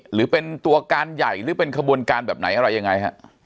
หรือเป็นตัวการใหญ่หรือเป็นขบวนการแบบไหนอะไรยังไงฮะ